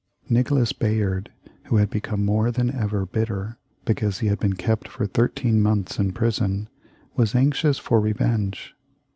Nicholas Bayard, who had become more than ever bitter because he had been kept for thirteen months in prison, was anxious for revenge.